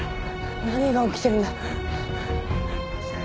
何が起きてるんだ？